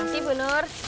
nanti bu nur